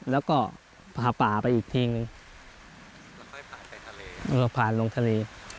แล้วก็พาป่าไปอีกทิ่งแล้วผ่านลงทะเล